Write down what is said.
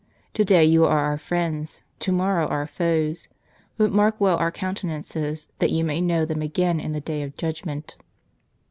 To day you are our friends ; to morrow our foes. But mark well our countenances, that you may know them again in the day of judgment."